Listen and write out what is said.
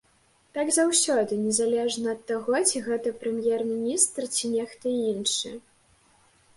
Так заўсёды, незалежна ад таго, ці гэта прэм'ер-міністр, ці нехта іншы.